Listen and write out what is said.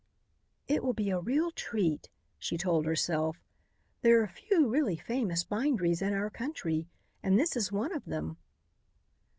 "It will be a real treat," she told herself. "There are few really famous binderies in our country. And this is one of them."